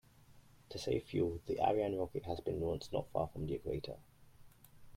To save fuel, the Ariane rocket has been launched not far from the equator.